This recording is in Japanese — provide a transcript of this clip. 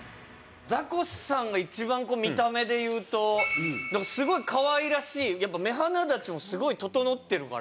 ザコシさんが一番見た目で言うとなんかすごい可愛らしいやっぱ目鼻立ちもすごい整ってるから。